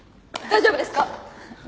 大丈夫です。